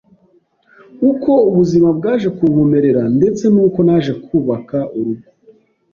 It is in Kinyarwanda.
uko ubuzima bwaje kunkomerera ndetse n’uko naje kubaka urugo.